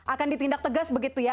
akan ditindak tegas begitu ya